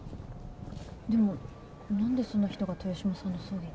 でも何でそんな人が豊島さんの葬儀に？